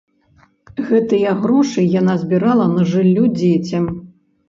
Гэтыя грошы яна збірала на жыллё дзецям.